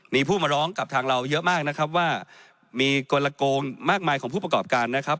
มีผู้มาร้องกับทางเราเยอะมากนะครับว่ามีกลโกงมากมายของผู้ประกอบการนะครับ